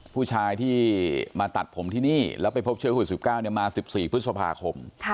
ผู้ชายที่มาตัดผมที่นี่แล้วไปพบเชื้อโควิด๑๙มา๑๔พฤษภาคม